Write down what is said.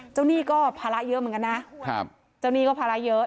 หนี้ก็ภาระเยอะเหมือนกันนะครับเจ้าหนี้ก็ภาระเยอะ